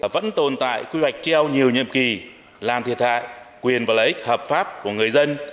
vẫn tồn tại quy hoạch treo nhiều nhiệm kỳ làm thiệt hại quyền và lợi ích hợp pháp của người dân